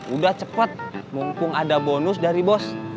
udah cepat mumpung ada bonus dari bos